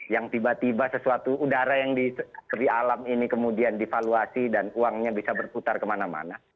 yang tiba tiba sesuatu udara yang di alam ini kemudian divaluasi dan uangnya bisa berputar kemana mana